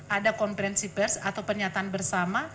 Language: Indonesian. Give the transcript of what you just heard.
ada konferensi pers atau pernyataan bersama